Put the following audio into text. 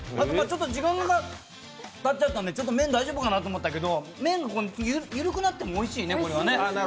時間たっちゃったんで、麺大丈夫かなと思ったけど麺が緩くなってもおいしいね、これは。